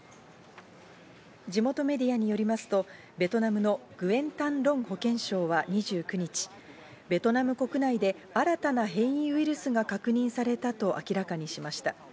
地元メディアによりますと、ベトナムのグエン・タン・ロン保健相は２９日、ベトナム国内で新たな変異ウイルスが確認されたと明らかにしました。